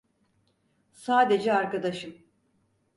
Sadece arkadaşım.